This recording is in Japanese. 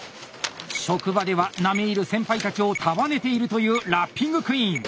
職場では並み居る先輩たちを束ねているというラッピングクイーン。